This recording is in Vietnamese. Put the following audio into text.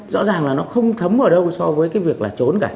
rõ ràng là nó không thấm ở đâu so với cái việc là trốn cả